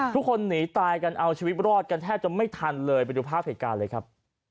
ทุกคนหนีตายกันเอาชีวิตรอดกันแทบจะไม่ทันเลยไปดูภาพเหตุการณ์เลยครับ